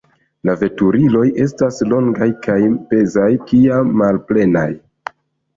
La veturiloj estas longaj, kaj pezaj kiam malplenaj.